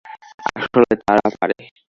আসলে, তারা পারে।